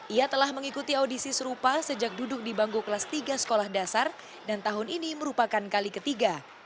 ia telah mengikuti audisi serupa sejak duduk di bangku kelas tiga sekolah dasar dan tahun ini merupakan kali ketiga